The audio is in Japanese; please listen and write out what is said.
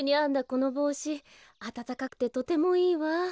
このぼうしあたたかくてとてもいいわ。